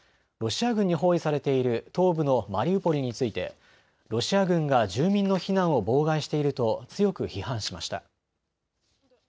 ロシア軍に包囲されている東部のマリウポリについてロシア軍が住民の避難を妨害していると強く批判しました。